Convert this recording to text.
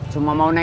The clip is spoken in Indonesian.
cuma mau nenggak